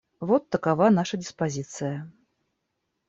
Вот такова наша диспозиция.